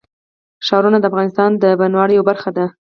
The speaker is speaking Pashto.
ښارونه د افغانستان د بڼوالۍ یوه برخه ده.